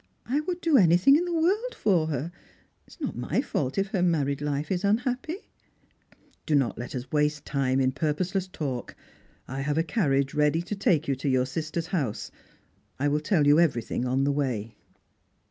I would do anything in the world for her. It is not my fault if her married life is unhappy." " Do not let us waste time in purposeless talk. 1 have a carriage ready to take you to your sister's house. I will telJ you everything on the way."